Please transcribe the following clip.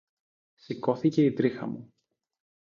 Σηκώθηκε η τρίχα μου.